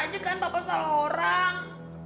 bukan papa salah orang